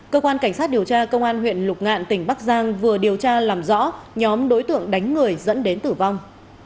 cơ quan cảnh sát điều tra công an huyện lục ngạn tỉnh bắc giang vừa điều tra làm rõ nhóm đối tượng đánh người dẫn đến tử vong